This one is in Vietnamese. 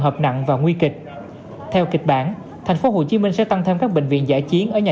hợp nặng và nguy kịch theo kịch bản thành phố hồ chí minh sẽ tăng thêm các bệnh viện giải chiến ở nhà